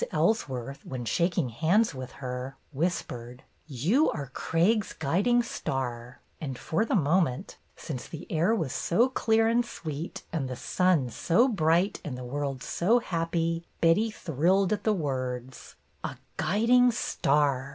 Ellsworth, when shaking hands with her, whispered, "You are Craig's guiding star !" and for the moment, since the air was so clear and sweet and the sun so bright and NODS, BECKS, AND SMILES 77 the world so happy, Betty thrilled at the words. A guiding star